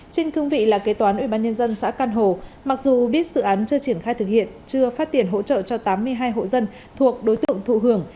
trên cương vị là kế toán ubnd xã căn hồ mặc dù biết dự án chưa triển khai thực hiện chưa phát tiền hỗ trợ cho tám mươi hai hộ dân thuộc đối tượng thụ hưởng